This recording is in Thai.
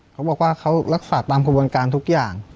เขาบอกว่าเขารักษาตามกระบวนการทุกอย่าง